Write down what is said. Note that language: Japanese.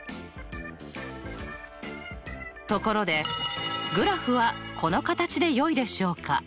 ところでグラフはこの形でよいでしょうか？